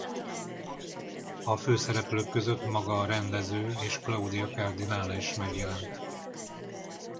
A főszereplők között maga a rendező és Claudia Cardinale is megjelent.